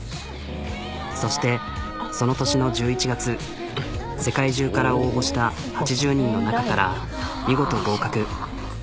そしてその年の１１月世界中から応募した８０人の中から見事合格。